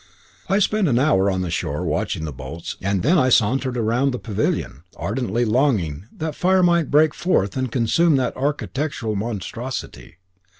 I spent an hour on the shore watching the boats, and then I sauntered round the Pavilion, ardently longing that fire might break forth and consume that architectural monstrosity.